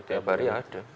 tiap hari ada